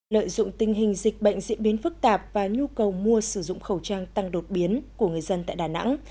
lợi dụng tình hình dịch bệnh diễn biến phức tạp và nhu cầu mua sử dụng khẩu trang tăng đột biến của người dân tại đà nẵng